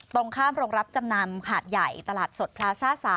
ตรงข้ามโรงรับจำนำหาดใหญ่ตลาดสดพลาซ่า๓